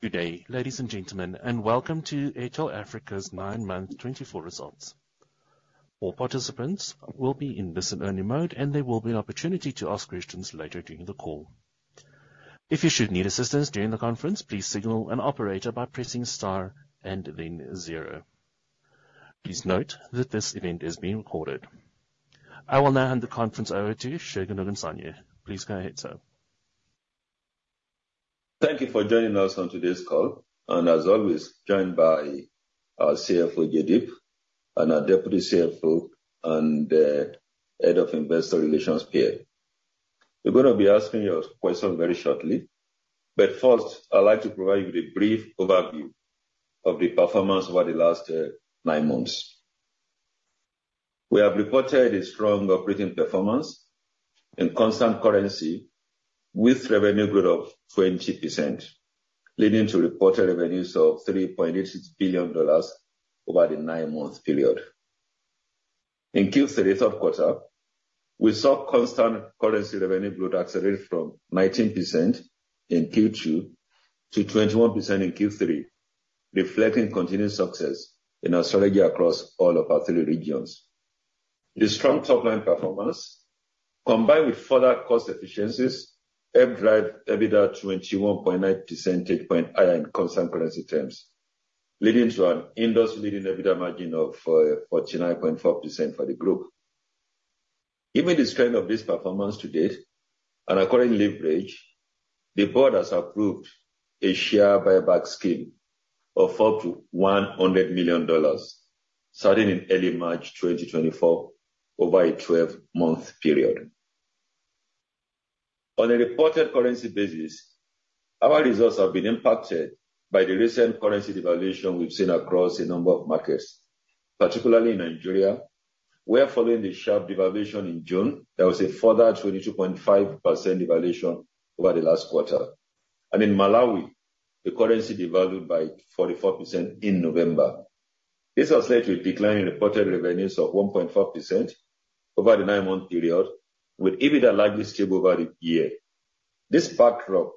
Good day, ladies and gentlemen, and welcome to Airtel Africa's 9-month 2024 results. All participants will be in listen-only mode, and there will be an opportunity to ask questions later during the call. If you should need assistance during the conference, please signal an operator by pressing star and then zero. Please note that this event is being recorded. I will now hand the conference over to Segun Ogunsanya. Please go ahead, sir. Thank you for joining us on today's call, and as always, joined by our CFO, Jaideep, and our Deputy CFO and Head of Investor Relations, Pier. We're gonna be asking your question very shortly, but first, I'd like to provide you with a brief overview of the performance over the last nine months. We have reported a strong operating performance in constant currency with revenue growth of 20%, leading to reported revenues of $3.86 billion over the nine-month period. In Q3, third quarter, we saw constant currency revenue growth accelerate from 19% in Q2 to 21% in Q3, reflecting continued success in our strategy across all of our three regions. The strong top-line performance, combined with further cost efficiencies, helped drive EBITDA 21.9 percentage points higher in constant currency terms, leading to an industry-leading EBITDA margin of 49.4% for the group. Given the strength of this performance to date and according leverage, the board has approved a share buyback scheme of up to $100 million, starting in early March 2024 over a 12-month period. On a reported currency basis, our results have been impacted by the recent currency devaluation we've seen across a number of markets, particularly in Nigeria, where following the sharp devaluation in June, there was a further 22.5% devaluation over the last quarter. In Malawi, the currency devalued by 44% in November. This has led to a decline in reported revenues of 1.4% over the nine-month period, with EBITDA likely stable over the year. This backdrop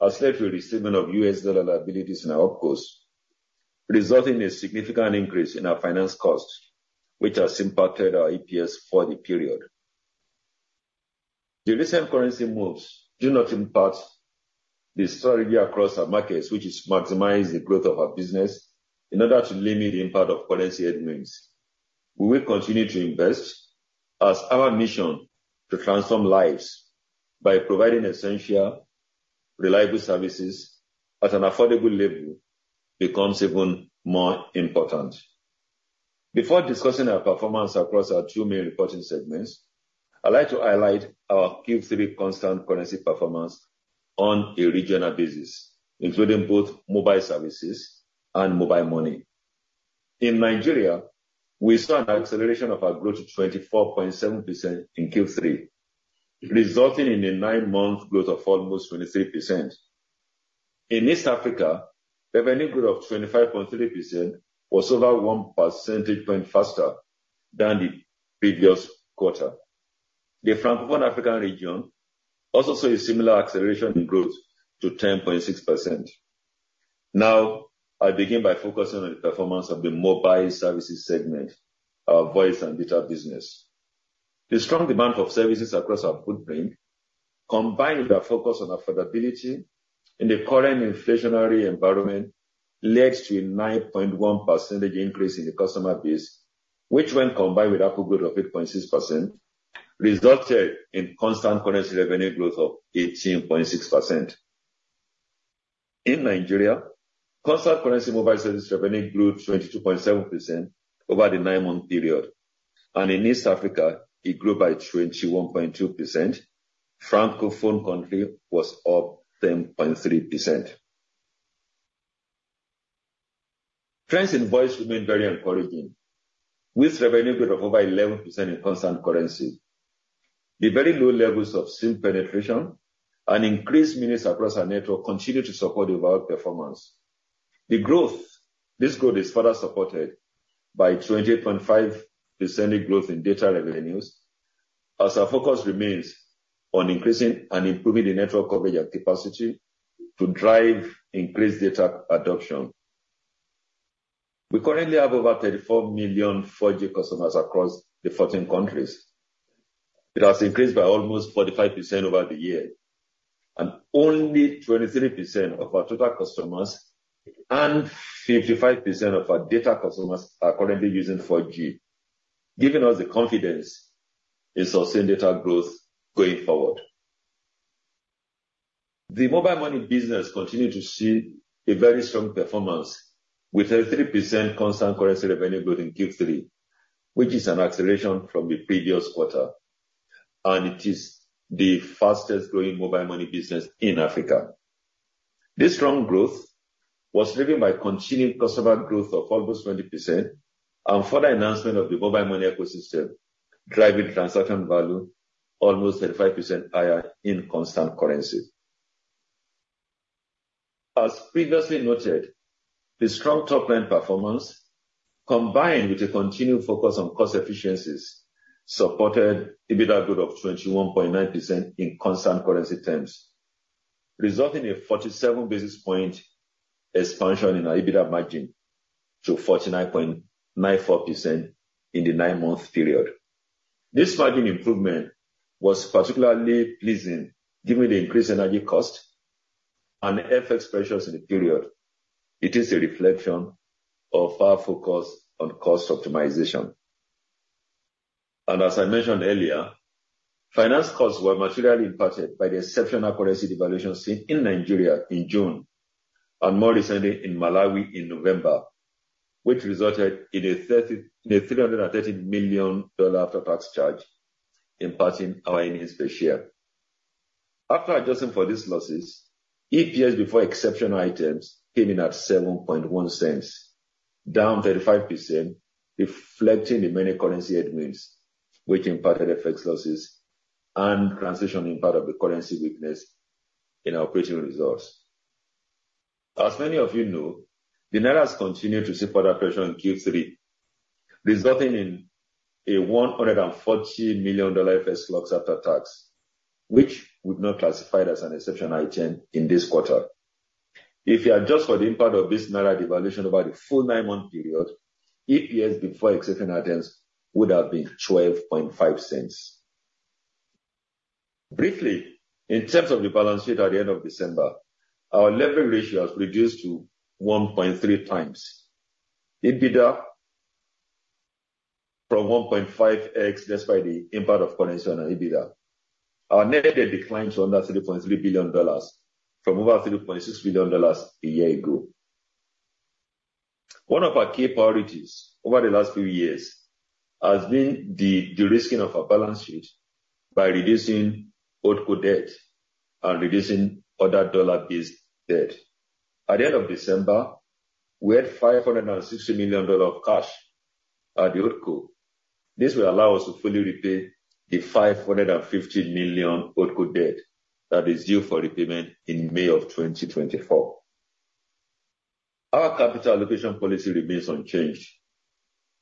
has led to a restatement of US dollar liabilities in our OpCos, resulting in a significant increase in our finance costs, which has impacted our EPS for the period. The recent currency moves do not impact the strategy across our markets, which is to maximize the growth of our business in order to limit the impact of currency headwinds. We will continue to invest as our mission to transform lives by providing essential, reliable services at an affordable level becomes even more important. Before discussing our performance across our two main reporting segments, I'd like to highlight our Q3 constant currency performance on a regional basis, including both mobile services and mobile money. In Nigeria, we saw an acceleration of our growth to 24.7% in Q3, resulting in a nine-month growth of almost 23%. In East Africa, revenue growth of 25.3% was over 1 percentage point faster than the previous quarter. The Francophone African region also saw a similar acceleration in growth to 10.6%. Now, I begin by focusing on the performance of the mobile services segment, our voice and data business. The strong demand for services across our footprint, combined with our focus on affordability in the current inflationary environment, led to a 9.1% increase in the customer base, which, when combined with ARPU growth of 8.6%, resulted in constant currency revenue growth of 18.6%. In Nigeria, constant currency mobile services revenue grew 22.7% over the 9-month period, and in East Africa, it grew by 21.2%. Francophone country was up 10.3%. Trends in voice remain very encouraging, with revenue growth of over 11% in constant currency. The very low levels of SIM penetration and increased minutes across our network continue to support the overall performance. This growth is further supported by 28.5% growth in data revenues as our focus remains on increasing and improving the network coverage and capacity to drive increased data adoption. We currently have over 34 million 4G customers across the 14 countries. It has increased by almost 45% over the year, and only 23% of our total customers and 55% of our data customers are currently using 4G, giving us the confidence in sustaining data growth going forward. The mobile money business continued to see a very strong performance with a 3% constant currency revenue growth in Q3, which is an acceleration from the previous quarter, and it is the fastest growing mobile money business in Africa. This strong growth was driven by continued customer growth of almost 20% and further enhancement of the mobile money ecosystem, driving transaction value almost 35% higher in constant currency. As previously noted, the strong top-line performance-... Combined with a continued focus on cost efficiencies, supported EBITDA growth of 21.9% in constant currency terms, resulting in a 47 basis point expansion in our EBITDA margin to 49.94% in the nine-month period. This margin improvement was particularly pleasing, given the increased energy cost and FX pressures in the period. It is a reflection of our focus on cost optimization. And as I mentioned earlier, finance costs were materially impacted by the exceptional currency devaluation seen in Nigeria in June, and more recently in Malawi in November, which resulted in a $330 million after-tax charge impacting our earnings per share. After adjusting for these losses, EPS before exception items came in at $0.071, down 35%, reflecting the many currency headwinds which impacted FX losses and transitioning part of the currency weakness in our operating results. As many of you know, the naira has continued to see further pressure in Q3, resulting in a $140 million FX loss after tax, which would not classify it as an exceptional item in this quarter. If you adjust for the impact of this naira devaluation over the full nine-month period, EPS before exception items would have been $0.125. Briefly, in terms of the balance sheet at the end of December, our leverage ratio has reduced to 1.3x EBITDA from 1.5x, despite the impact of currency on our EBITDA. Our net debt declined to under $3.3 billion from over $3.6 billion a year ago. One of our key priorities over the last few years has been the de-risking of our balance sheet by reducing OpCo debt and reducing other dollar-based debt. At the end of December, we had $560 million of cash at the OpCo. This will allow us to fully repay the $550 million OpCo debt that is due for repayment in May 2024. Our capital allocation policy remains unchanged.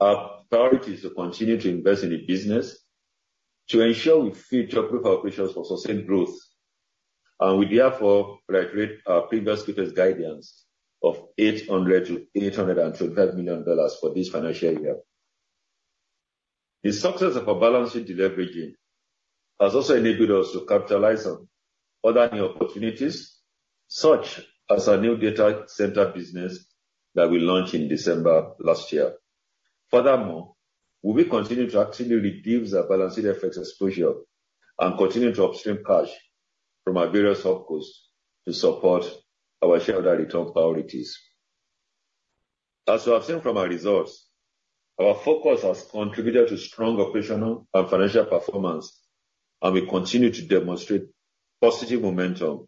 Our priority is to continue to invest in the business to ensure we future-proof our operations for sustained growth, and we therefore reiterate our previous guidance of $800 million-$812 million for this financial year. The success of our balance sheet deleveraging has also enabled us to capitalize on other new opportunities, such as our new data center business that we launched in December last year. Furthermore, we will continue to actively reduce our balance sheet FX exposure and continue to upstream cash from our various opcos to support our shareholder return priorities. As you have seen from our results, our focus has contributed to strong operational and financial performance, and we continue to demonstrate positive momentum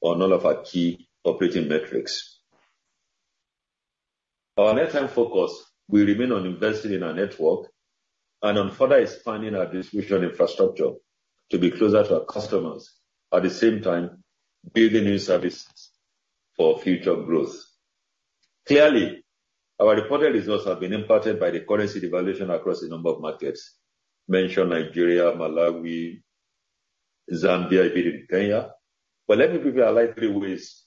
on all of our key operating metrics. Our next time focus will remain on investing in our network and on further expanding our distribution infrastructure to be closer to our customers, at the same time building new services for future growth. Clearly, our reported results have been impacted by the currency devaluation across a number of markets. Mention Nigeria, Malawi, Zambia, including Kenya. But let me give you our likely ways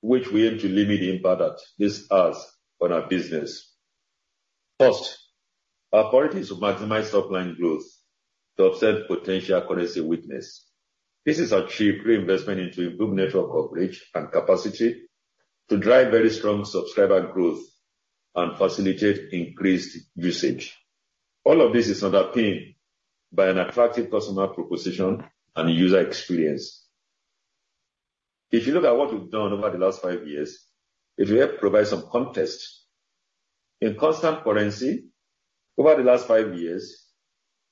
which we aim to limit the impact that this has on our business. First, our priority is to maximize top line growth to offset potential currency weakness. This is achieved through investment into improved network coverage and capacity to drive very strong subscriber growth and facilitate increased usage. All of this is underpinned by an attractive personal proposition and user experience. If you look at what we've done over the last five years, if we help provide some context, in constant currency, over the last five years,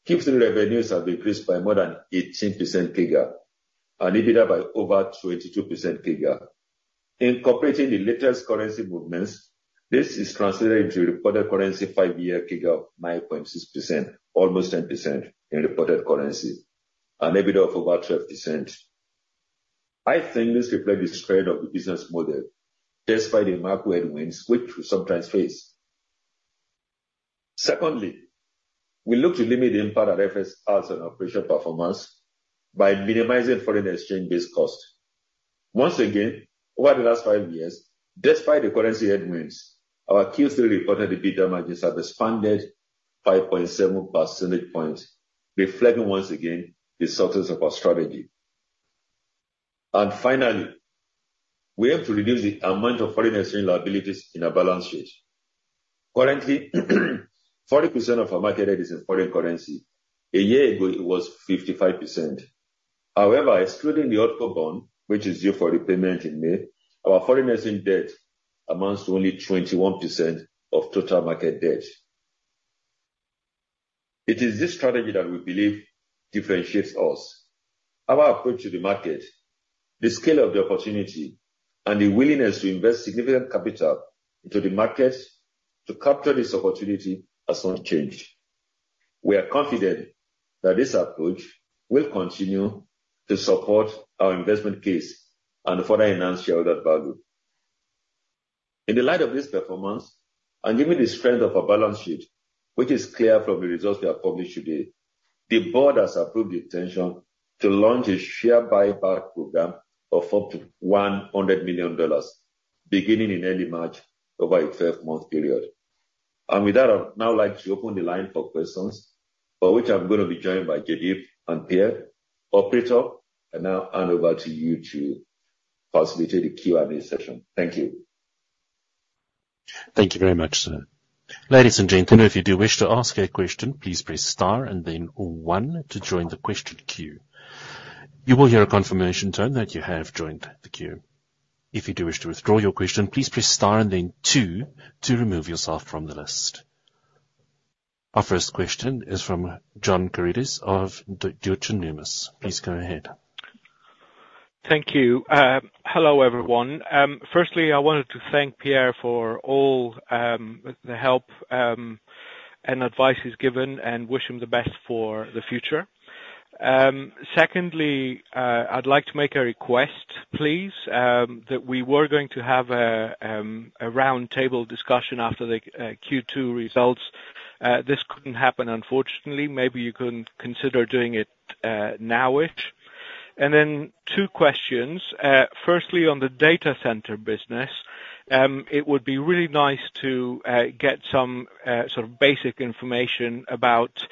[QIP's] revenues have increased by more than 18% CAGR and EBITDA by over 22% CAGR. Incorporating the latest currency movements, this is translated into reported currency five-year CAGR of 9.6%, almost 10% in reported currency and EBITDA of about 12%. I think this reflects the strength of the business model, despite the macro headwinds which we sometimes face. Secondly, we look to limit the impact that FX has on our operational performance by minimizing foreign exchange-based cost. Once again, over the last 5 years, despite the currency headwinds, our Q3 reported EBITDA margins have expanded by 0.7 percentage points, reflecting once again the substance of our strategy. And finally, we have to reduce the amount of foreign exchange liabilities in our balance sheet. Currently, 40% of our market debt is in foreign currency. A year ago, it was 55%. However, excluding the OpCo bond, which is due for repayment in May, our foreign exchange debt amounts to only 21% of total market debt. It is this strategy that we believe differentiates us. Our approach to the market, the scale of the opportunity, and the willingness to invest significant capital into the market to capture this opportunity has not changed... We are confident that this approach will continue to support our investment case and further enhance shareholder value. In the light of this performance, and given the strength of our balance sheet, which is clear from the results we have published today, the board has approved the intention to launch a share buyback program of up to $100 million, beginning in early March, over a 12-month period. And with that, I'd now like to open the line for questions, for which I'm going to be joined by Jaideep and Pier. Operator, I now hand over to you to facilitate the Q&A session. Thank you. Thank you very much, sir. Ladies and gentlemen, if you do wish to ask a question, please press star and then one to join the question queue. You will hear a confirmation tone that you have joined the queue. If you do wish to withdraw your question, please press star and then two to remove yourself from the list. Our first question is from John Karidis of Deutsche Numis. Please go ahead. Thank you. Hello, everyone. Firstly, I wanted to thank Pierre for all the help and advice he's given, and wish him the best for the future. Secondly, I'd like to make a request, please, that we were going to have a roundtable discussion after the Q2 results. This couldn't happen, unfortunately. Maybe you can consider doing it nowish. And then two questions. Firstly, on the data center business, it would be really nice to get some sort of basic information about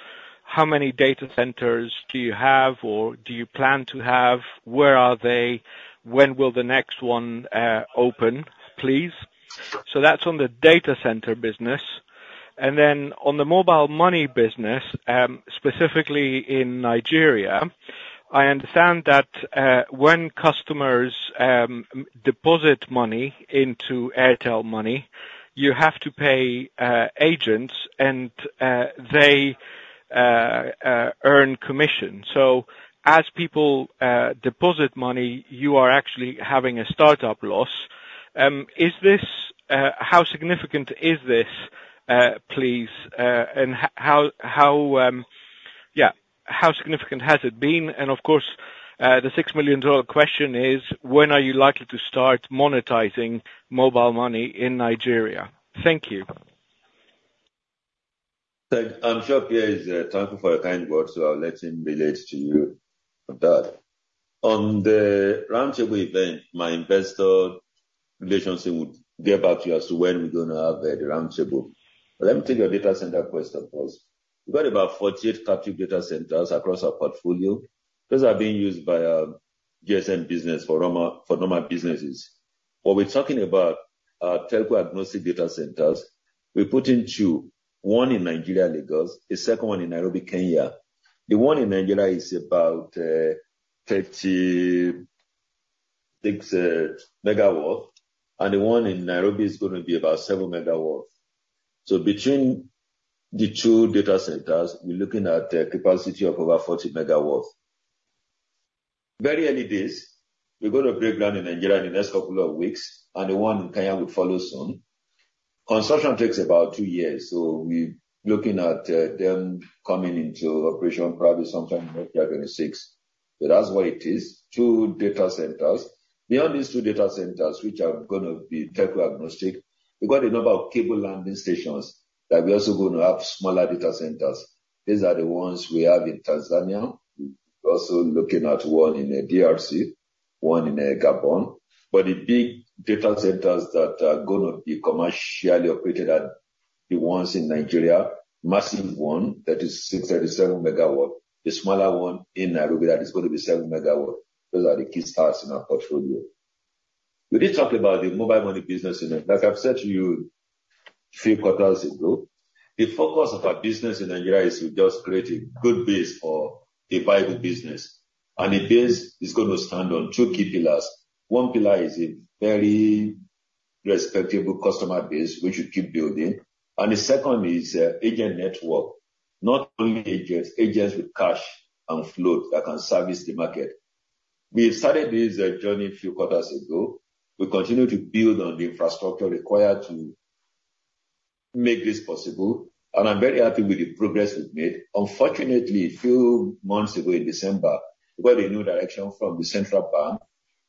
how many data centers do you have or do you plan to have? Where are they? When will the next one open, please? So that's on the data center business. And then on the mobile money business, specifically in Nigeria, I understand that when customers deposit money into Airtel Money, you have to pay agents and they earn commission. So as people deposit money, you are actually having a startup loss. Is this how significant is this, please? And how significant has it been? And of course, the $6 million question is: when are you likely to start monetizing mobile money in Nigeria? Thank you. Thank you. I'm sure Pier is thankful for your kind words, so I'll let him relate to you on that. On the roundtable event, my investor relations team would get back to you as to when we're gonna have the roundtable. Let me take your data center question first. We've got about 48 captive data centers across our portfolio. Those are being used by our GSM business for normal, for normal businesses. When we're talking about our telco agnostic data centers, we're putting two, one in Nigeria, Lagos, the second one in Nairobi, Kenya. The one in Nigeria is about 36 MW, and the one in Nairobi is gonna be about 7 MW. So between the two data centers, we're looking at a capacity of over 40 MW. Very early days. We're going to break ground in Nigeria in the next couple of weeks, and the one in Kenya will follow soon. Construction takes about 2 years, so we're looking at them coming into operation probably sometime in 2026. But that's what it is, 2 data centers. Beyond these 2 data centers, which are gonna be telco agnostic, we've got a number of cable landing stations that we're also going to have smaller data centers. These are the ones we have in Tanzania. We're also looking at one in the DRC, one in Gabon. But the big data centers that are gonna be commercially operated are the ones in Nigeria. Massive one, that is 637 MW. The smaller one in Nairobi, that is gonna be 7 MW. Those are the key stars in our portfolio. When you talk about the mobile money business in there, like I've said to you three quarters ago, the focus of our business in Nigeria is to just create a good base for a viable business, and the base is gonna stand on two key pillars. One pillar is a very respectable customer base, which we keep building, and the second is agent network. Not only agents, agents with cash and float that can service the market. We started this journey a few quarters ago. We continue to build on the infrastructure required to make this possible, and I'm very happy with the progress we've made. Unfortunately, a few months ago, in December, we got a new direction from the central bank,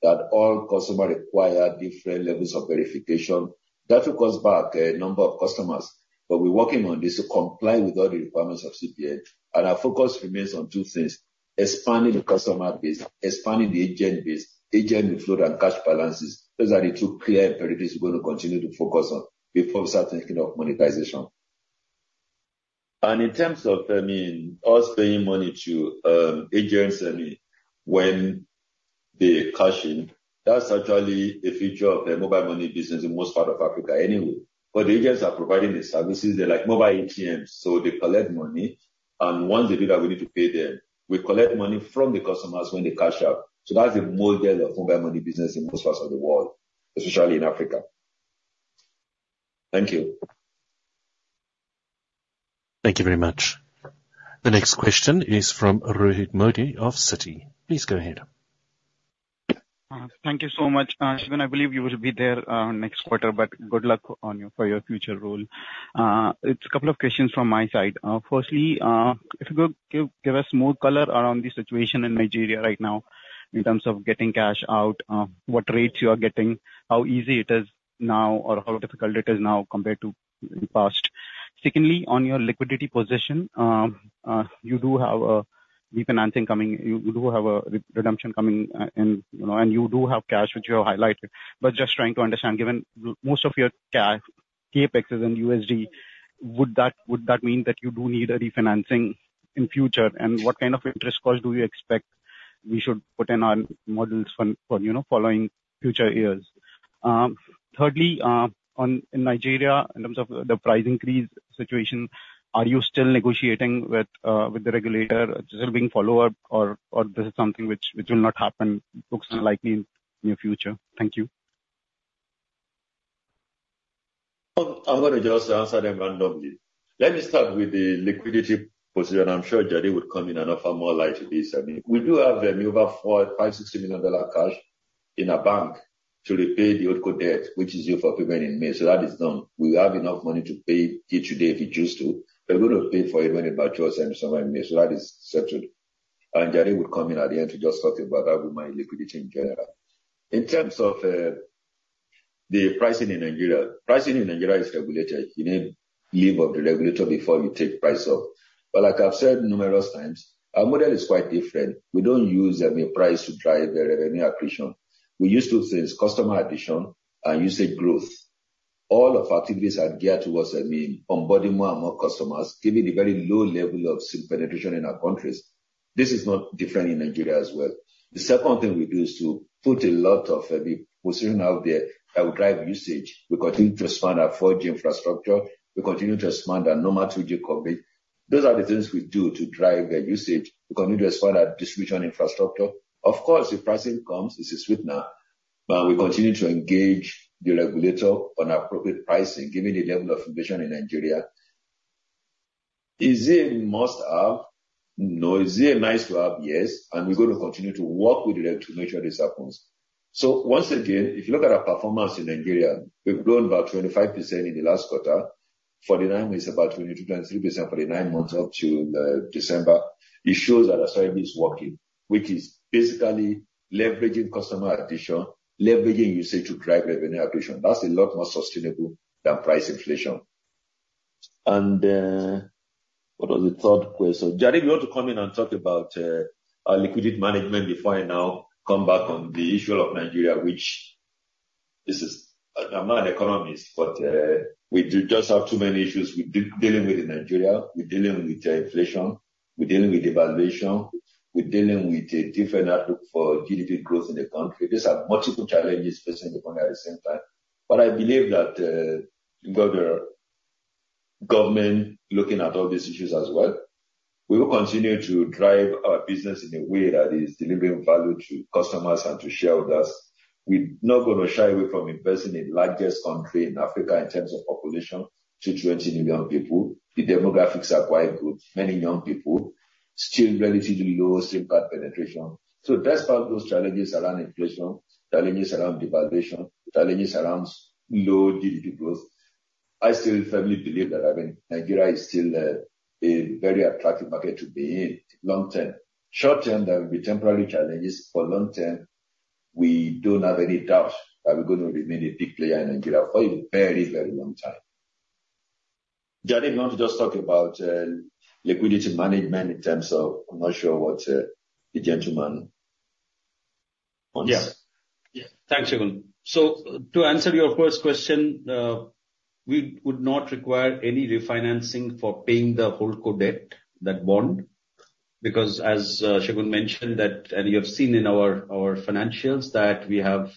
that all customers require different levels of verification. That took us back a number of customers, but we're working on this to comply with all the requirements of CBN. Our focus remains on two things: expanding the customer base, expanding the agent base, agent with float and cash balances. Those are the two clear priorities we're going to continue to focus on before we start thinking of monetization. In terms of, I mean, us paying money to agents, I mean, when they cash in, that's actually a feature of the mobile money business in most part of Africa anyway. But the agents are providing the services, they're like mobile ATMs, so they collect money, and once they do that, we need to pay them. We collect money from the customers when they cash out. That's the model of mobile money business in most parts of the world, especially in Africa. Thank you. Thank you very much. The next question is from Rohit Modi of Citi. Please go ahead. ... Thank you so much, Segun. I believe you will be there next quarter, but good luck on your future role. It's a couple of questions from my side. Firstly, if you could give us more color around the situation in Nigeria right now, in terms of getting cash out, what rates you are getting? How easy it is now, or how difficult it is now compared to in the past? Secondly, on your liquidity position, you do have a refinancing coming. You do have a redemption coming, and you know, and you do have cash, which you have highlighted, but just trying to understand, given most of your cash, CapEx is in USD, would that mean that you do need a refinancing in future? What kind of interest costs do you expect we should put in our models for, you know, following future years? Thirdly, in Nigeria, in terms of the price increase situation, are you still negotiating with the regulator? Is it being followed up or this is something which will not happen, looks unlikely in near future? Thank you. Well, I'm gonna just answer them randomly. Let me start with the liquidity position. I'm sure Jaideep would come in and offer more light to this. I mean, we do have over $4-$6 million cash in our bank to repay the old HoldCo debt, which is due for payment in May, so that is done. We have enough money to pay it today, if we choose to, but we would have paid for it when it matures in summer, so that is settled. And Jaideep would come in at the end to just talk about our liquidity in general. In terms of the pricing in Nigeria. Pricing in Nigeria is regulated. You need leave of the regulator before you take price up. But like I've said numerous times, our model is quite different. We don't use, I mean, price to drive revenue accretion. We use two things: customer acquisition and usage growth. All of our activities are geared towards, I mean, onboarding more and more customers, given the very low level of SIM penetration in our countries. This is not different in Nigeria as well. The second thing we do is to put a lot of positioning out there that will drive usage. We continue to expand our 4G infrastructure. We continue to expand our normal 2G coverage. Those are the things we do to drive the usage. We continue to expand our distribution infrastructure. Of course, if pricing comes, it's a sweetener, but we continue to engage the regulator on appropriate pricing, given the level of penetration in Nigeria. Is it a must have? No. Is it a nice to have? Yes, and we're going to continue to work with the reg to make sure this happens. So once again, if you look at our performance in Nigeria, we've grown about 25% in the last quarter. 49 is about 22.3% for the nine months up to December. It shows that our strategy is working, which is basically leveraging customer acquisition, leveraging usage to drive revenue acquisition. That's a lot more sustainable than price inflation. And, what was the third question? Jaideep, you want to come in and talk about our liquidity management before I now come back on the issue of Nigeria, which this is... I'm not an economist, but, we do just have too many issues with dealing with in Nigeria. We're dealing with inflation, we're dealing with devaluation, we're dealing with a different outlook for GDP growth in the country. These are multiple challenges facing the country at the same time. But I believe that we've got our government looking at all these issues as well. We will continue to drive our business in a way that is delivering value to customers and to shareholders. We're not gonna shy away from investing in the largest country in Africa in terms of population, to 20 million people. The demographics are quite good. Many young people, still relatively low SIM card penetration. So despite those challenges around inflation, challenges around devaluation, challenges around low GDP growth, I still firmly believe that, I mean, Nigeria is still a very attractive market to be in long term. Short term, there will be temporary challenges, but long term, we don't have any doubt that we're going to remain a big player in Nigeria for a very, very long time. Jaideep, you want to just talk about liquidity management in terms of... I'm not sure what the gentleman wants. Yeah. Yeah. Thanks, Segun. To answer your first question, we would not require any refinancing for paying the in HoldCo debt, that bond, because as Segun mentioned that, and you have seen in our financials, that we have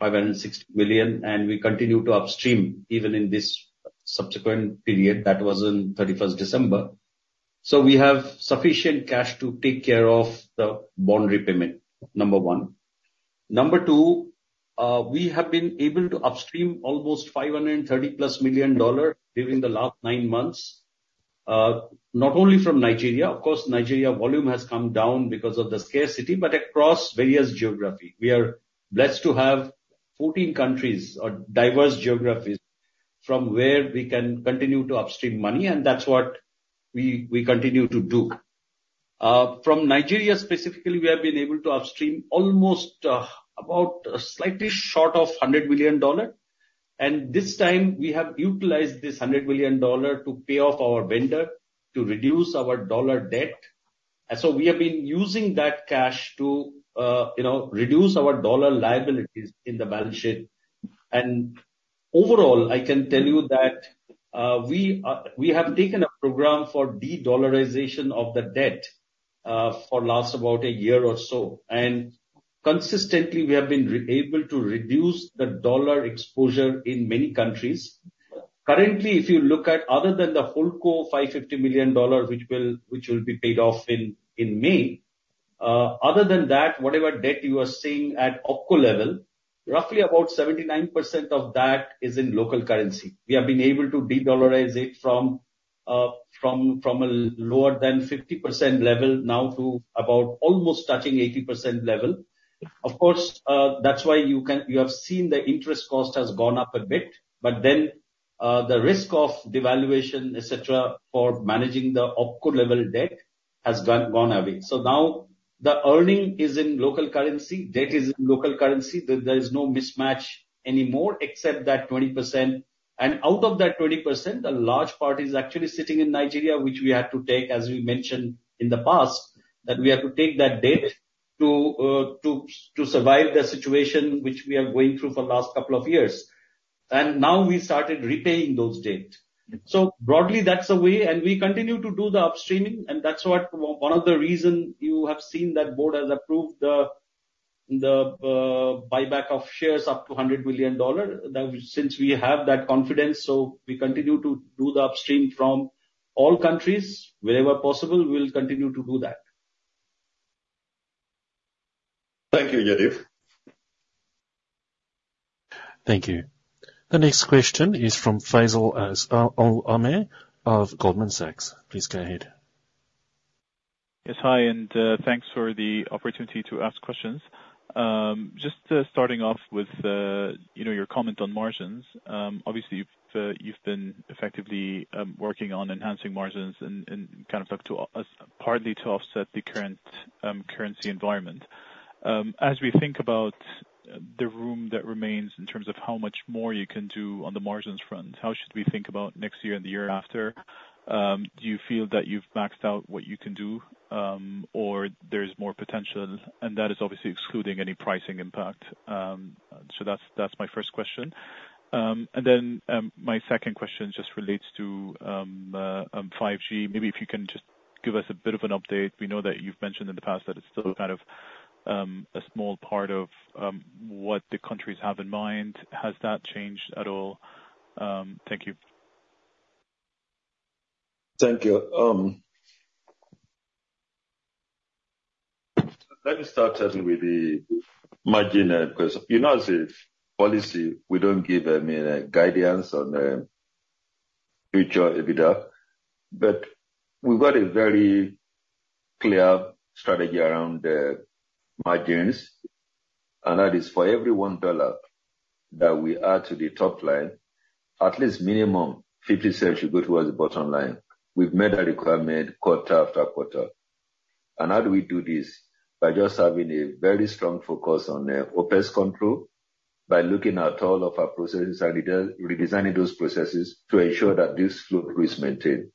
$560 million, and we continue to upstream even in this subsequent period that was in 31 December. So we have sufficient cash to take care of the bond repayment, number one. Number two, we have been able to upstream almost $530+ million during the last 9 months. Not only from Nigeria, of course, Nigeria volume has come down because of the scarcity, but across various geography. We are blessed to have 14 countries or diverse geographies from where we can continue to upstream money, and that's what we continue to do. From Nigeria specifically, we have been able to upstream almost, about slightly short of $100 million. And this time we have utilized this $100 million to pay off our vendor, to reduce our dollar debt. And so we have been using that cash to, you know, reduce our dollar liabilities in the balance sheet. And overall, I can tell you that, we have taken a program for de-dollarization of the debt, for last about a year or so. And consistently, we have been able to reduce the dollar exposure in many countries. Currently, if you look at other than the HoldCo $550 million, which will be paid off in May, other than that, whatever debt you are seeing at OpCo level, roughly about 79% of that is in local currency. We have been able to de-dollarize it from- From a lower than 50% level now to about almost touching 80% level. Of course, that's why you have seen the interest cost has gone up a bit, but then, the risk of devaluation, et cetera, for managing the OpCo level debt has gone away. So now the earning is in local currency, debt is in local currency. There is no mismatch anymore, except that 20%. And out of that 20%, a large part is actually sitting in Nigeria, which we had to take, as we mentioned in the past, that we had to take that debt to survive the situation which we are going through for the last couple of years. And now we started repaying those debt. So broadly, that's the way, and we continue to do the upstreaming, and that's what one of the reason you have seen that board has approved the buyback of shares up to $100 billion. That since we have that confidence, so we continue to do the upstream from all countries. Wherever possible, we'll continue to do that. Thank you, Yadid. Thank you. The next question is from Faisal Al-Azmeh of Goldman Sachs. Please go ahead. Yes, hi, and thanks for the opportunity to ask questions. Just starting off with you know, your comment on margins. Obviously, you've you've been effectively working on enhancing margins and and kind of like partly to offset the current currency environment. As we think about the room that remains in terms of how much more you can do on the margins front, how should we think about next year and the year after? Do you feel that you've maxed out what you can do or there's more potential? And that is obviously excluding any pricing impact. So that's that's my first question. And then my second question just relates to 5G. Maybe if you can just give us a bit of an update. We know that you've mentioned in the past that it's still kind of a small part of what the countries have in mind. Has that changed at all? Thank you. Thank you. Let me start with the margin, because, you know, as a policy, we don't give, I mean, guidance on future EBITDA. But we've got a very clear strategy around margins, and that is for every $1 that we add to the top line, at least minimum $0.50 should go towards the bottom line. We've met that requirement quarter after quarter. And how do we do this? By just having a very strong focus on OpEx control, by looking at all of our processes and redesigning those processes to ensure that this flow is maintained.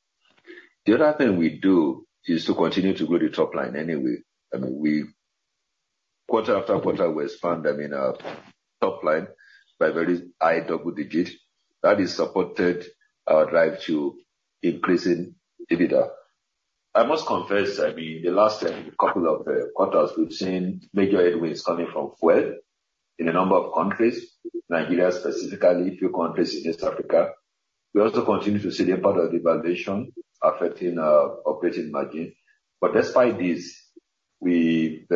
The other thing we do is to continue to grow the top line anyway. I mean, we... Quarter after quarter, we expand, I mean, our top line by a very high double digit. That has supported our drive to increasing EBITDA. I must confess, I mean, in the last couple of quarters, we've seen major headwinds coming from fuel in a number of countries, Nigeria specifically, a few countries in East Africa. We also continue to see the impact of devaluation affecting our operating margin. But despite this, we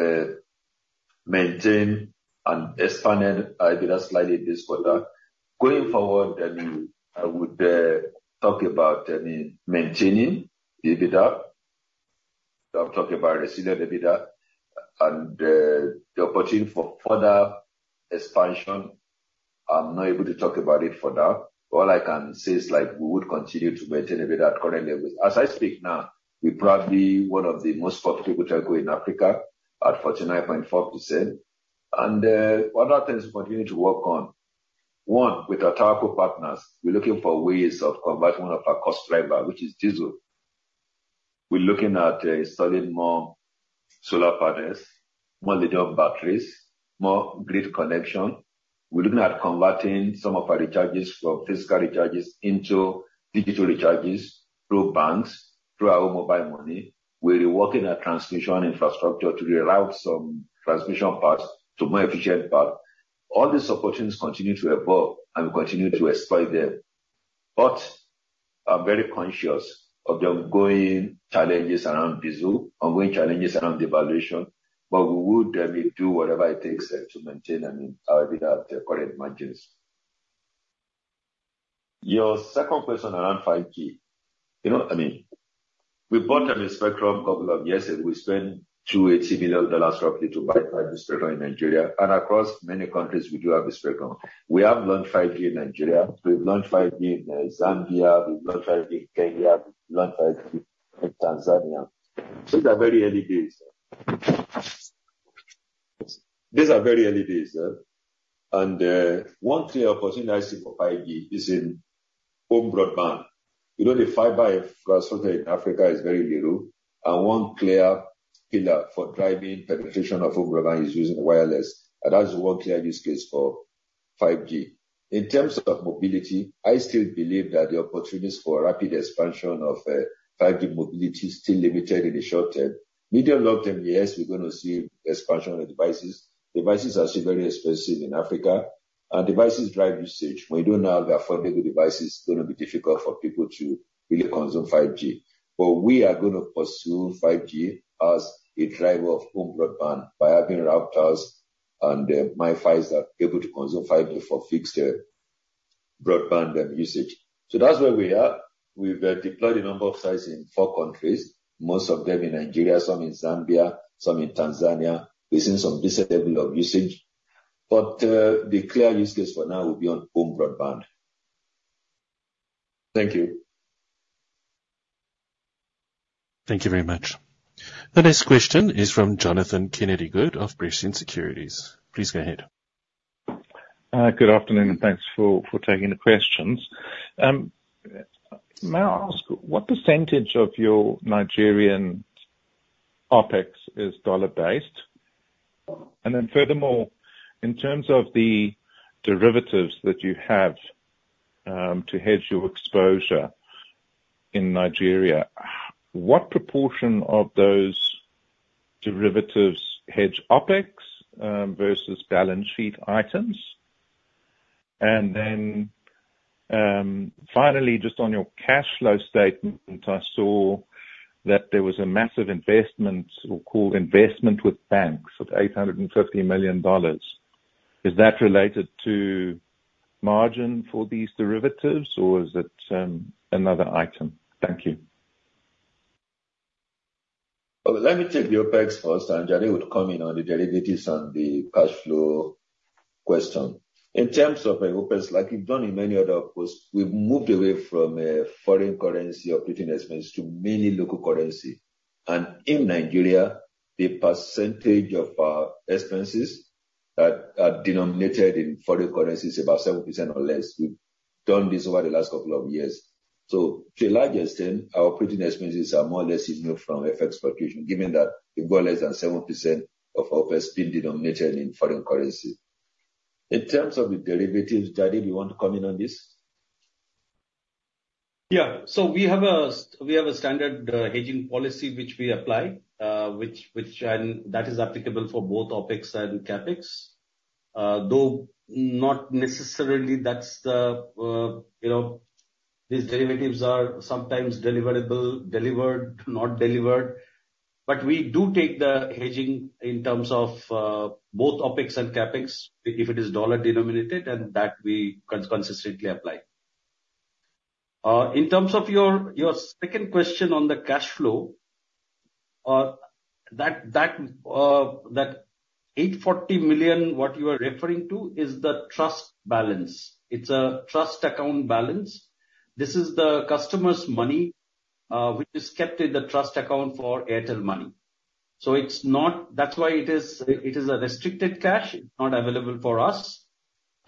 maintained and expanded EBITDA slightly this quarter. Going forward, I mean, I would talk about, I mean, maintaining EBITDA. I'm talking about resilient EBITDA and the opportunity for further expansion, I'm not able to talk about it for now. All I can say is, like, we would continue to maintain EBITDA at current levels. As I speak now, we're probably one of the most profitable telco in Africa at 49.4%. Other things we continue to work on, one, with our tower partners, we're looking for ways of converting one of our cost driver, which is diesel. We're looking at installing more solar partners, more lithium batteries, more grid connection. We're looking at converting some of our recharges from physical recharges into digital recharges through banks, through our mobile money. We're working on transmission infrastructure to reroute some transmission paths to more efficient path. All these opportunities continue to evolve, and we continue to explore them. But I'm very conscious of the ongoing challenges around diesel, ongoing challenges around devaluation, but we would, I mean, do whatever it takes to maintain, I mean, our EBITDA at the current margins. Your second question around 5G. You know, I mean, we bought them a spectrum a couple of years ago. We spent $280 million roughly to buy the spectrum in Nigeria, and across many countries, we do have the spectrum. We have launched 5G in Nigeria. We've launched 5G in Zambia, we've launched 5G in Kenya, we've launched 5G in Tanzania. These are very early days. These are very early days, and one clear opportunity I see for 5G is in home broadband. You know, the fiber optic in Africa is very little, and one clear pillar for driving penetration of home broadband is using wireless, and that is one clear use case for 5G. In terms of mobility, I still believe that the opportunities for rapid expansion of 5G mobility is still limited in the short term. Medium, long term, yes, we're going to see expansion of devices. Devices are still very expensive in Africa, and devices drive usage. When you don't have the affordable devices, it's going to be difficult for people to really consume 5G. But we are going to pursue 5G as a driver of home broadband by having routers-... and, Mi-Fis are able to consume fiber for fixed, broadband, usage. So that's where we are. We've deployed a number of sites in four countries, most of them in Nigeria, some in Zambia, some in Tanzania. We've seen some visible of usage, but, the clear use case for now will be on home broadband. Thank you. Thank you very much. The next question is from Jonathan Kennedy-Good of Prescient Securities. Please go ahead. Good afternoon, and thanks for taking the questions. May I ask, what percentage of your Nigerian OpEx is dollar-based? And then furthermore, in terms of the derivatives that you have to hedge your exposure in Nigeria, what proportion of those derivatives hedge OpEx versus balance sheet items? And then finally, just on your cash flow statement, I saw that there was a massive investment, or called investment with banks of $850 million. Is that related to margin for these derivatives, or is it another item? Thank you. Okay, let me take the OpEx first, and Jared would come in on the derivatives and the cash flow question. In terms of, OpEx, like we've done in many other pasts, we've moved away from a foreign currency operating expense to mainly local currency. And in Nigeria, the percentage of our expenses that are denominated in foreign currency is about 7% or less. We've done this over the last couple of years. So to a large extent, our operating expenses are more or less ignored from FX location, given that we've got less than 7% of OpEx being denominated in foreign currency. In terms of the derivatives, Jared, you want to come in on this? Yeah. So we have a standard hedging policy which we apply, which and that is applicable for both OpEx and CapEx. Though not necessarily, that's the, you know, these derivatives are sometimes deliverable, delivered, not delivered. But we do take the hedging in terms of both OpEx and CapEx, if it is dollar-denominated, and that we consistently apply. In terms of your second question on the cash flow, that $840 million, what you are referring to is the trust balance. It's a trust account balance. This is the customer's money, which is kept in the trust account for Airtel Money. So it's not... That's why it is a restricted cash, not available for us,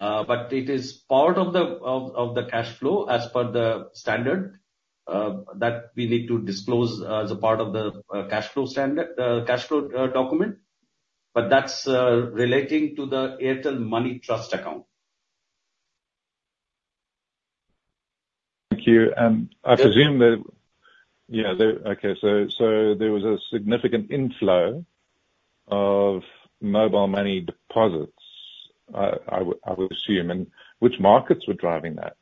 but it is part of the cash flow as per the standard that we need to disclose as a part of the cash flow standard, cash flow document. But that's relating to the Airtel Money trust account. Thank you. I presume that- Yes. Yeah, okay, so there was a significant inflow of mobile money deposits, I would assume, and which markets were driving that?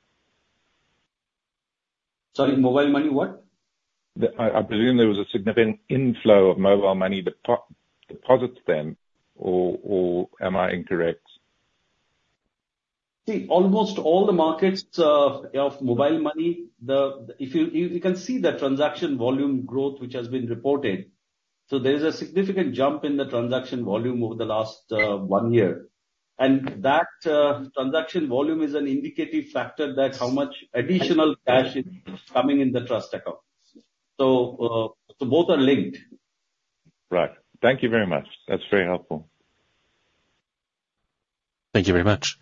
Sorry, mobile money what? I presume there was a significant inflow of mobile money deposits then, or am I incorrect? See, almost all the markets of mobile money, if you can see the transaction volume growth, which has been reported. So there's a significant jump in the transaction volume over the last one year. And that transaction volume is an indicative factor that how much additional cash is coming in the trust account. So, so both are linked. Right. Thank you very much. That's very helpful. Thank you very much.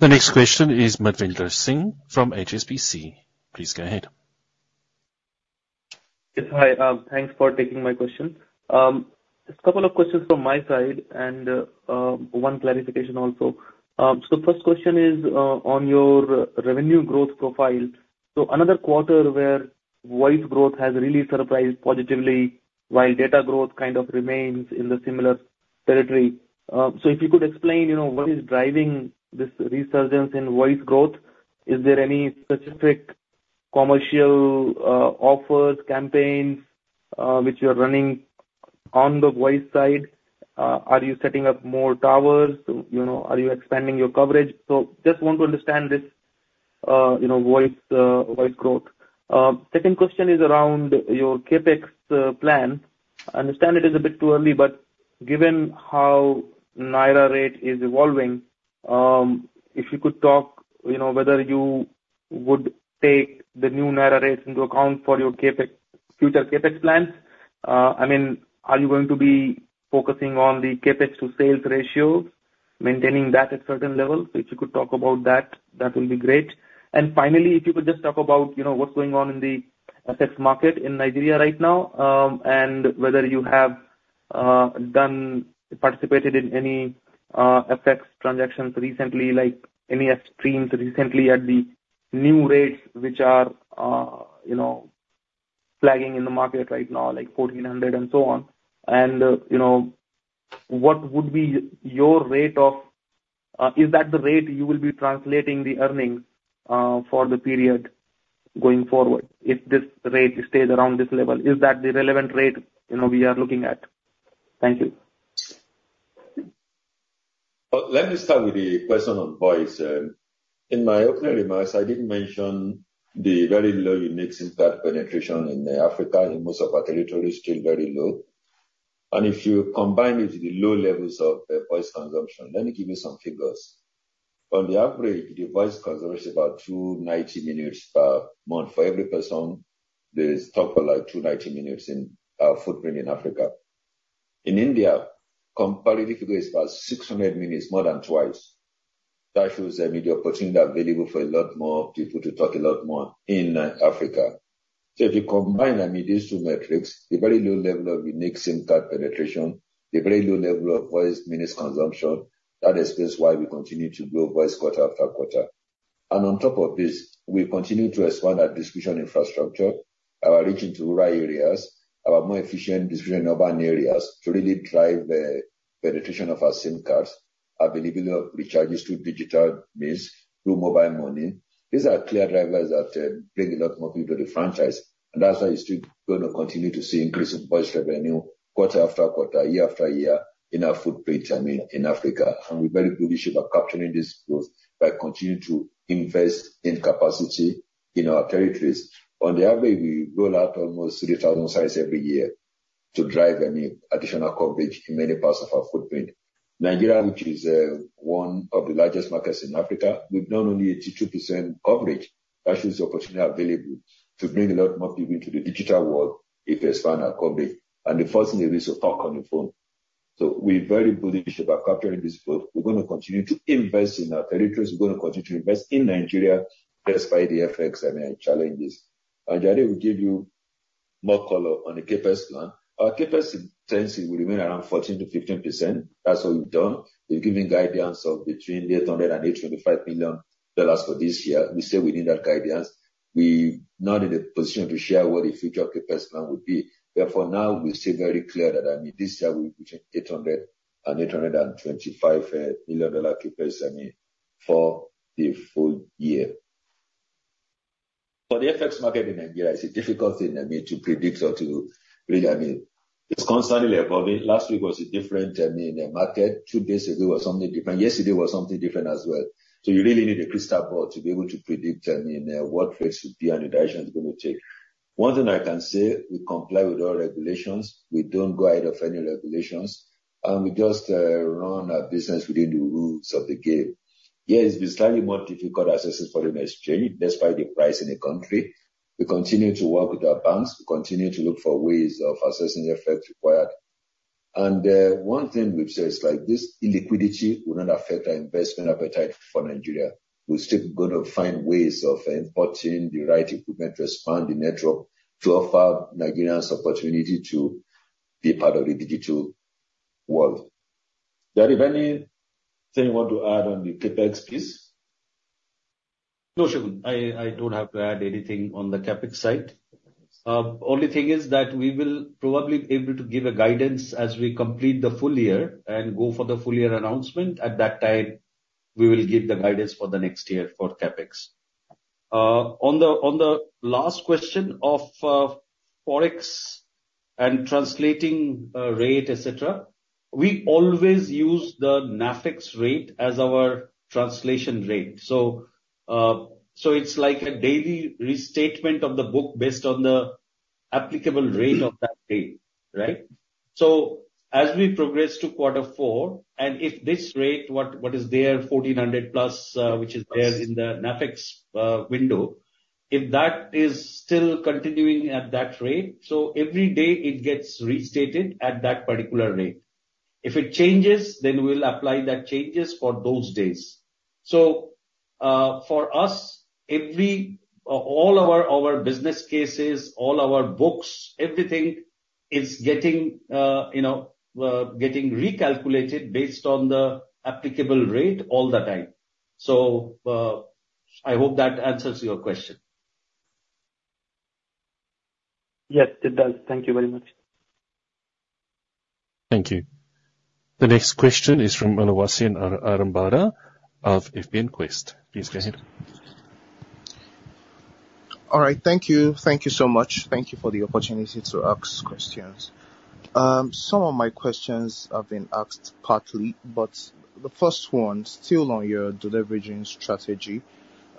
The next question is Manvinder Singh from HSBC. Please go ahead. Yes, hi. Thanks for taking my question. Just a couple of questions from my side, and one clarification also. So first question is on your revenue growth profile. So another quarter where voice growth has really surprised positively, while data growth kind of remains in the similar territory. So if you could explain, you know, what is driving this resurgence in voice growth? Is there any specific commercial offers, campaigns which you're running on the voice side? Are you setting up more towers? You know, are you expanding your coverage? So just want to understand this, you know, voice growth. Second question is around your CapEx plan. I understand it is a bit too early, but given how naira rate is evolving, if you could talk, you know, whether you would take the new naira rates into account for your CapEx, future CapEx plans. I mean, are you going to be focusing on the CapEx to sales ratio, maintaining that at certain levels? If you could talk about that, that will be great. And finally, if you could just talk about, you know, what's going on in the FX market in Nigeria right now, and whether you have participated in any FX transactions recently, like any extremes recently at the new rates, which are, you know, flagging in the market right now, like 1,400 and so on. And, you know, what would be your rate of-... Is that the rate you will be translating the earnings for the period going forward? If this rate stays around this level, is that the relevant rate, you know, we are looking at? Thank you. Well, let me start with the question on voice. In my opening remarks, I did mention the very low unique SIM card penetration in Africa, in most of our territory is still very low. And if you combine it with the low levels of voice consumption, let me give you some figures. On the average, the voice consumption is about 290 minutes per month. For every person, there is talk of, like, 290 minutes in our footprint in Africa. In India, comparatively, it is about 600 minutes, more than twice. That shows the immediate opportunity available for a lot more people to talk a lot more in Africa. So if you combine, I mean, these two metrics, the very low level of unique SIM card penetration, the very low level of voice minutes consumption, that explains why we continue to grow voice quarter after quarter. On top of this, we continue to expand our distribution infrastructure, our reach into rural areas, our more efficient distribution in urban areas to really drive the penetration of our SIM cards, availability of recharges through digital means, through mobile money. These are clear drivers that bring a lot more people to the franchise, and that's why you're still gonna continue to see increase in voice revenue quarter after quarter, year after year, in our footprint, I mean, in Africa. We're very bullish about capturing this growth by continuing to invest in capacity in our territories. On the average, we roll out almost 3,000 sites every year to drive, I mean, additional coverage in many parts of our footprint. Nigeria, which is, one of the largest markets in Africa, with not only 82% coverage, that shows the opportunity available to bring a lot more people into the digital world if we expand our coverage, and the first thing is to talk on the phone. So we're very bullish about capturing this growth. We're gonna continue to invest in our territories. We're gonna continue to invest in Nigeria, despite the FX and challenges. And Jay will give you more color on the CapEx plan. Our CapEx intensity will remain around 14%-15%. That's what we've done. We've given guidance of between $800 million and $825 million for this year. We stay within that guidance. We're not in a position to share what the future of CapEx plan would be. Therefore, now we're still very clear that, I mean, this year we between $800 million and $825 million CapEx, I mean, for the full year. But the FX market in Nigeria is a difficult thing, I mean, to predict or to really, I mean. It's constantly evolving. Last week was a different, I mean, market. Two days ago was something different. Yesterday was something different as well. So you really need a crystal ball to be able to predict, I mean, what place to be and the direction it's gonna take. One thing I can say, we comply with all regulations. We don't go out of any regulations, and we just run our business within the rules of the game. Yeah, it's been slightly more difficult accessing foreign exchange, despite the price in the country. We continue to work with our banks. We continue to look for ways of accessing the FX required. And one thing we've said is, like, this illiquidity will not affect our investment appetite for Nigeria. We're still gonna find ways of importing the right equipment to expand the network to offer Nigerians opportunity to be a part of the digital world. Jay, is there anything you want to add on the CapEx, please? No, Segun. I don't have to add anything on the CapEx side. Only thing is that we will probably be able to give a guidance as we complete the full year and go for the full year announcement. At that time, we will give the guidance for the next year for CapEx. On the last question of Forex and translating rate, et cetera, we always use the NAFEX rate as our translation rate. So it's like a daily restatement of the book based on the applicable rate of that day, right? So as we progress to quarter four, and if this rate, what is there, 1,400+, which is there in the NAFEX window, if that is still continuing at that rate, so every day it gets restated at that particular rate. If it changes, then we'll apply that changes for those days. So, for us, every all our, our business cases, all our books, everything is getting, you know, getting recalculated based on the applicable rate all the time. So, I hope that answers your question. Yes, it does. Thank you very much. Thank you. The next question is from Oluwaseun Arambada of FBNQuest. Please go ahead. All right. Thank you. Thank you so much. Thank you for the opportunity to ask questions. Some of my questions have been asked partly, but the first one, still on your deleveraging strategy.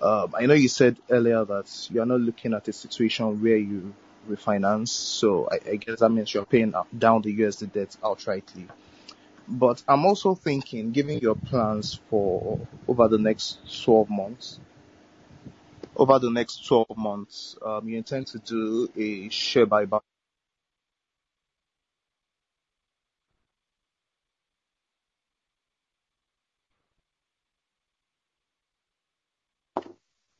I know you said earlier that you're not looking at a situation where you refinance, so I, I guess that means you're paying down the USD debts outrightly. But I'm also thinking, given your plans for over the next 12 months, over the next 12 months, you intend to do a share buyback?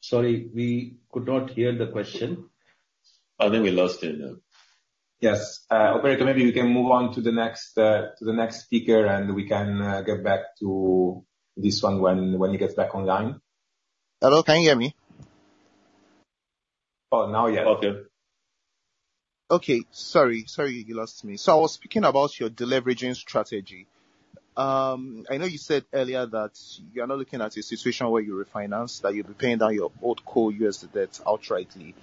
Sorry, we could not hear the question. I think we lost him. Yes. Okay, maybe we can move on to the next speaker, and we can get back to this one when he gets back online. Hello, can you hear me? Oh, now, yeah. Okay. Okay, sorry, sorry you lost me. So I was speaking about your deleveraging strategy. I know you said earlier that you are not looking at a situation where you refinance, that you'll be paying down your old core USD debts outrightly.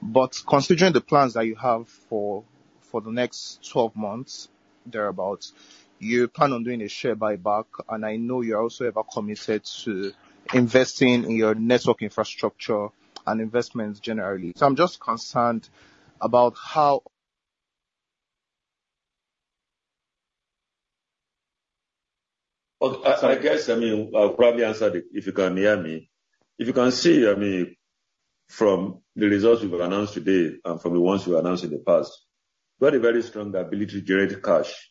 But considering the plans that you have for, for the next 12 months, thereabout, you plan on doing a share buyback, and I know you're also ever committed to investing in your network infrastructure and investments generally. So I'm just concerned about how- Well, I guess, I mean, I'll probably answer it, if you can hear me. If you can see, I mean, from the results we've announced today and from the ones we announced in the past, very, very strong ability to generate cash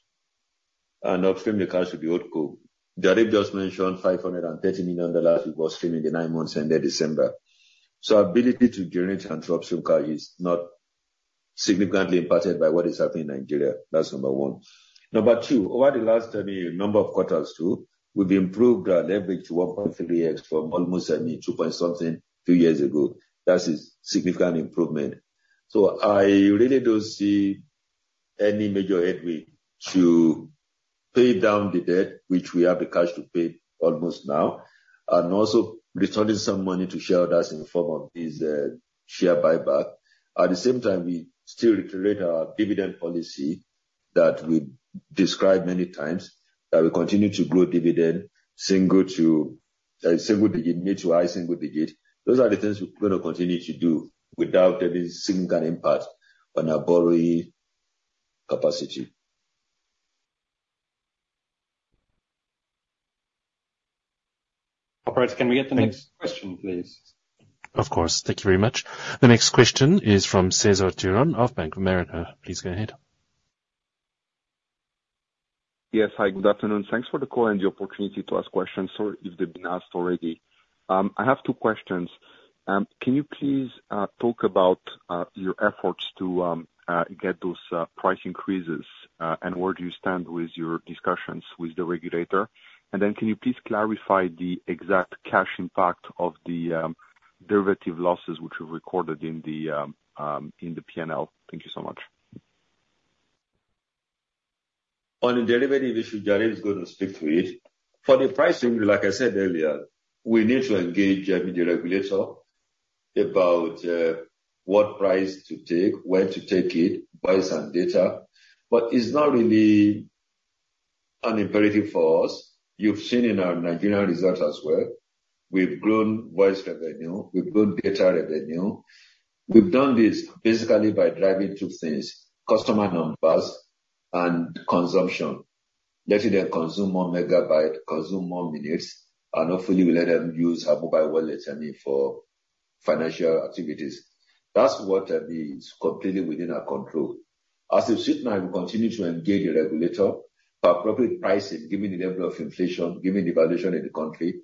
and upstream the cash with the OpCo. Jaideep just mentioned $530 million we were upstreaming in the nine months ending December. So ability to generate and upstream cash is not significantly impacted by what is happening in Nigeria. That's number one. Number two, over the last, I mean, number of quarters too, we've improved our net debt to 1.38 from almost, I mean, 2.something two years ago. That is significant improvement. So I really don't see any major headwind to pay down the debt, which we have the cash to pay almost now, and also returning some money to shareholders in the form of this, share buyback. At the same time, we still reiterate our dividend policy that we've described many times, that we continue to grow dividend, single to single digit mid to high single digit. Those are the things we're gonna continue to do without any significant impact on our borrowing capacity. Operator, can we get the next question, please? Of course. Thank you very much. The next question is from Cesar Tiron of Bank of America. Please go ahead. Yes. Hi, good afternoon. Thanks for the call and the opportunity to ask questions, sorry if they've been asked already. I have two questions. Can you please talk about your efforts to get those price increases, and where do you stand with your discussions with the regulator? And then can you please clarify the exact cash impact of the derivative losses which you've recorded in the PNL? Thank you so much. On the derivative issue, Jared is going to speak to it. For the pricing, like I said earlier, we need to engage, I mean, the regulator about what price to take, when to take it, price and data, but it's not really an imperative for us. You've seen in our Nigerian results as well. We've grown voice revenue. We've grown data revenue. We've done this basically by driving two things: customer numbers and consumption. Let them consume more megabyte, consume more minutes, and hopefully we let them use our mobile wallet, I mean, for financial activities. That's what is completely within our control. As it is, we continue to engage the regulator about appropriate pricing, given the level of inflation, given the devaluation in the country.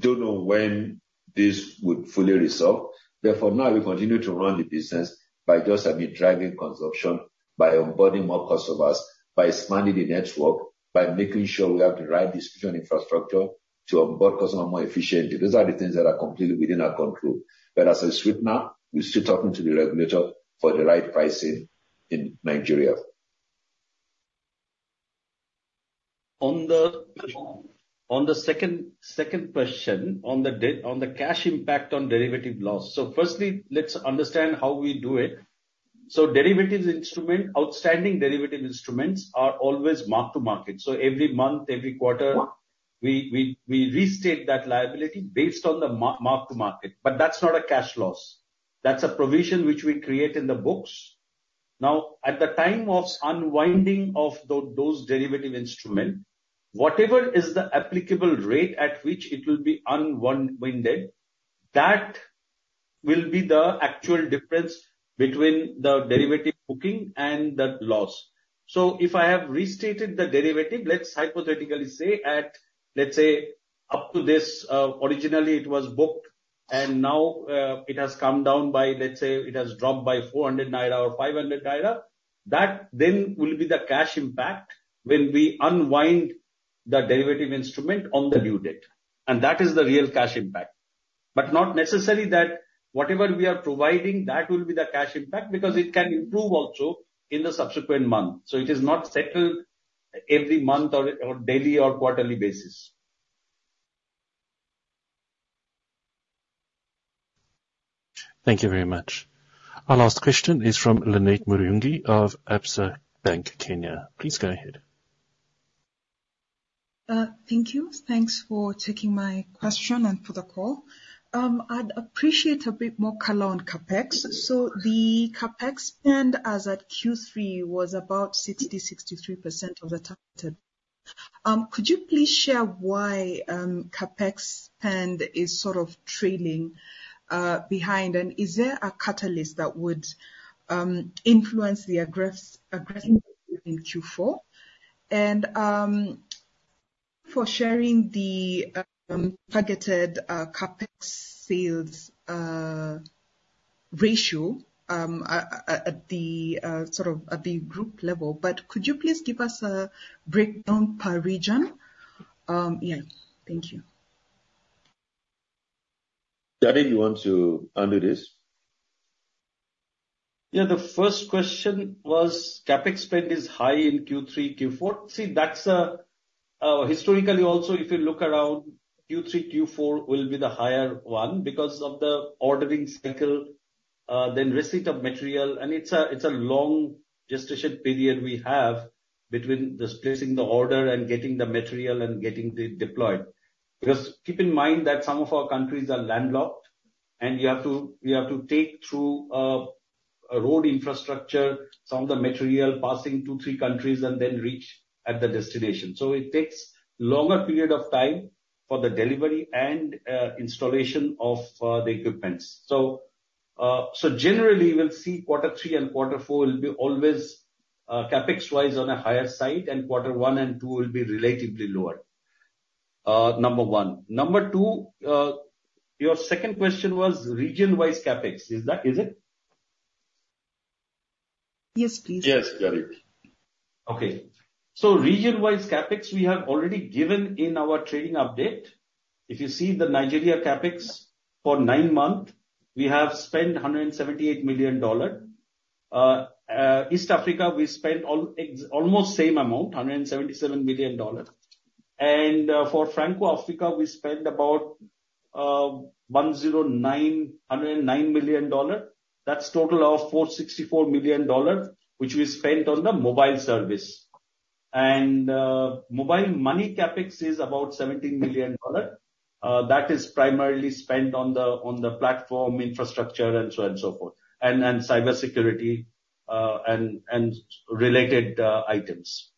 Don't know when this would fully resolve. Therefore, now we continue to run the business by just, I mean, driving consumption, by onboarding more customers, by expanding the network, by making sure we have the right distribution infrastructure to onboard customers more efficiently. Those are the things that are completely within our control. But as I said now, we're still talking to the regulator for the right pricing in Nigeria. On the second question, on the cash impact on derivative loss. So firstly, let's understand how we do it. So derivative instruments, outstanding derivative instruments are always mark to market. So every month, every quarter, we restate that liability based on the mark to market. But that's not a cash loss. That's a provision which we create in the books. Now, at the time of unwinding of those derivative instruments, whatever is the applicable rate at which it will be unwound, that will be the actual difference between the derivative booking and the loss. So if I have restated the derivative, let's hypothetically say at, let's say, up to this, originally it was booked, and now, it has come down by, let's say, it has dropped by 400 naira or 500 naira, that then will be the cash impact when we unwind the derivative instrument on the new date, and that is the real cash impact. But not necessarily that whatever we are providing, that will be the cash impact, because it can improve also in the subsequent month. So it is not settled every month or daily or quarterly basis. Thank you very much. Our last question is from Lynette Murungi of Absa Bank, Kenya. Please go ahead. Thank you. Thanks for taking my question and for the call. I'd appreciate a bit more color on CapEx. So the CapEx spend as at Q3 was about 60%-63% of the targeted. Could you please share why CapEx spend is sort of trailing behind? And is there a catalyst that would influence the aggressiveness in Q4? And for sharing the targeted CapEx sales ratio at the sort of at the group level, but could you please give us a breakdown per region? Yeah. Thank you. Jaideep, you want to handle this? Yeah, the first question was, CapEx spend is high in Q3, Q4. See, that's historically also, if you look around Q3, Q4 will be the higher one because of the ordering cycle, then receipt of material, and it's a long gestation period we have between just placing the order and getting the material and getting it deployed. Because keep in mind that some of our countries are landlocked, and you have to, we have to take through a road infrastructure, some of the material passing two, three countries and then reach at the destination. So it takes longer period of time for the delivery and installation of the equipment. So generally, you will see quarter 3 and quarter 4 will be always CapEx-wise on a higher side, and quarter 1 and 2 will be relatively lower. Number 1. Number 2, your second question was region-wise CapEx. Is that, is it? Yes, please. Yes, got it. Okay. So region-wise CapEx, we have already given in our trading update. If you see the Nigeria CapEx for nine months, we have spent $178 million. East Africa, we spent almost same amount, $177 million. And for Franco Africa, we spent about $109 million. That's total of $464 million, which we spent on the mobile service. And mobile money CapEx is about $17 million. That is primarily spent on the platform infrastructure and so and so forth, and cybersecurity, and related items.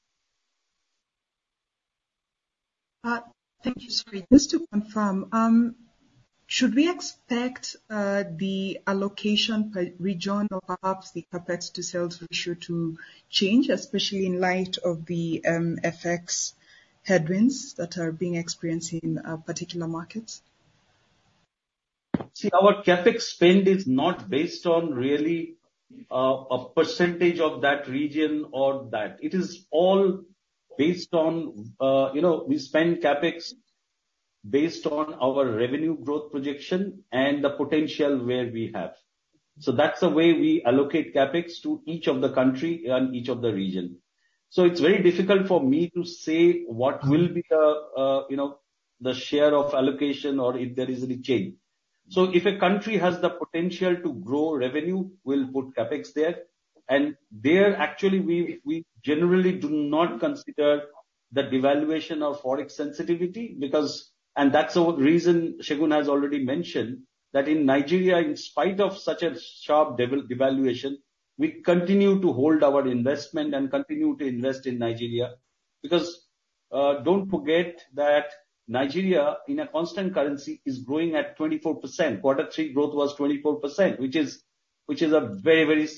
Thank you. Sorry, just to confirm, should we expect the allocation per region or perhaps the CapEx to sales ratio to change, especially in light of the FX headwinds that are being experienced in particular markets? See, our CapEx spend is not based on really, a percentage of that region or that. It is all based on, you know, we spend CapEx based on our revenue growth projection and the potential where we have. So that's the way we allocate CapEx to each of the country and each of the region. So it's very difficult for me to say what will be the, you know, the share of allocation or if there is any change. So if a country has the potential to grow revenue, we'll put CapEx there. And there, actually, we generally do not consider the devaluation of Forex sensitivity because... And that's the reason Segun has already mentioned, that in Nigeria, in spite of such a sharp devaluation, we continue to hold our investment and continue to invest in Nigeria. Because, don't forget that Nigeria, in a constant currency, is growing at 24%. Quarter three growth was 24%, which is, which is a very, very,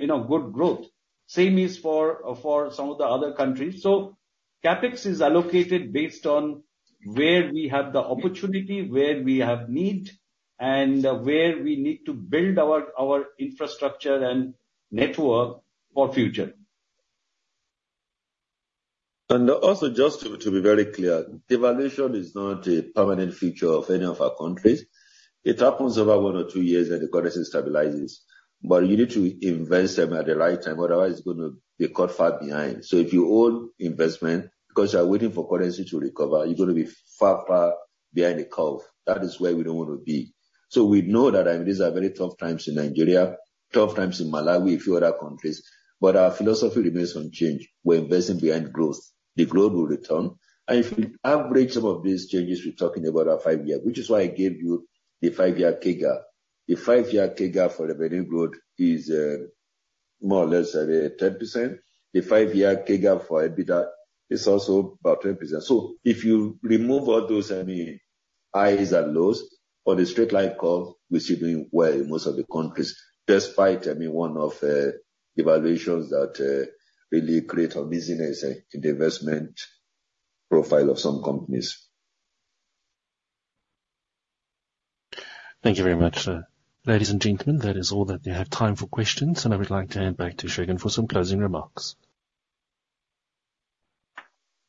you know, good growth. Same is for, for some of the other countries. So CapEx is allocated based on where we have the opportunity, where we have need, and, where we need to build our, our infrastructure and network for future. And also, just to be very clear, devaluation is not a permanent feature of any of our countries. It happens over one or two years, then the currency stabilizes. But you need to invest them at the right time, otherwise you're gonna be caught far behind. So if you hold investment because you are waiting for currency to recover, you're gonna be far, far behind the curve. That is where we don't want to be. So we know that, I mean, these are very tough times in Nigeria, tough times in Malawi, a few other countries, but our philosophy remains unchanged. We're investing behind growth, the growth will return. And if we average some of these changes, we're talking about a 5-year, which is why I gave you the five-year CAGR. The 5-year CAGR for the revenue growth is more or less 10%. The five-year CAGR for EBITDA is also about 10%. So if you remove all those, any highs and lows, on a straight line curve, we're still doing well in most of the countries, despite, I mean, one of devaluations that really create a business in the investment profile of some companies. Thank you very much. Ladies and gentlemen, that is all that we have time for questions, and I would like to hand back to Segun for some closing remarks.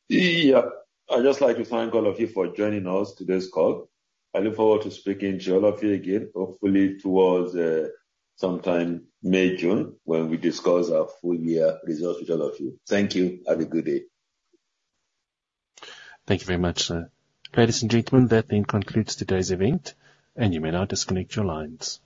Yeah. I'd just like to thank all of you for joining us, today's call. I look forward to speaking to all of you again, hopefully towards sometime May, June, when we discuss our full year results with all of you. Thank you. Have a good day. Thank you very much, sir. Ladies and gentlemen, that then concludes today's event, and you may now disconnect your lines.